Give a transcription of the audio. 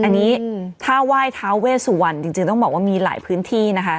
อันนี้ถ้าไหว้ท้าเวสวรรณจริงต้องบอกว่ามีหลายพื้นที่นะคะ